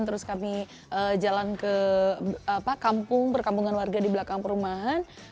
terus kami jalan ke kampung perkampungan warga di belakang perumahan